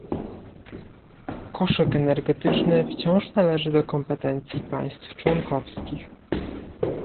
Koszyk energetyczny wciąż należy do kompetencji państw członkowskich